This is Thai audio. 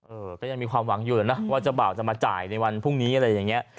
ก็ยังมีความหวังอยู่นะว่าเจ้าบ่าวจะมาจ่ายในวันพรุ่งนี้อะไรอย่างนี้